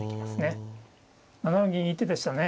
７四銀いい手でしたね。